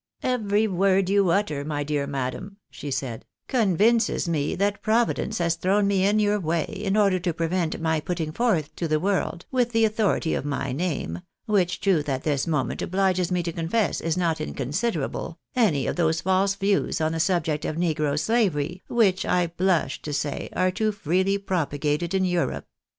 " Every word you utter, my dear madam," she said, " convinces me that Providence has thrown me in your way, in order to pre vent my putting forth to the world, with the authority of my name (which truth at this moment obliges me to confess is not incon siderable) any of those false views on the subject of negro slavery, which, I blush to say, are too freely propagated in Europe.